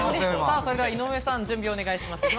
それでは井上さん準備をお願いします。